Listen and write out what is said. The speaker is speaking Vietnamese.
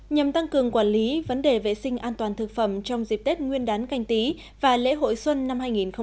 nhằm tăng cường quản lý vấn đề vệ sinh an toàn thực phẩm trong dịp tết nguyên đán canh tí và lễ hội xuân năm hai nghìn hai mươi